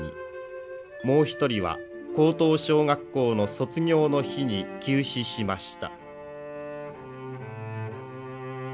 もう一人は高等小学校の卒業の日に急死しました。